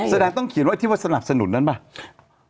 แสดงต้องเขียนไว้ที่วัศนาสนุนนั่นไหม